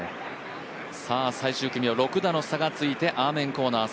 最終組は６打の差がついてアーメンコーナー。